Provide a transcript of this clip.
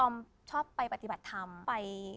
อ๋อมชอบไปปฏิบัติธรรมไป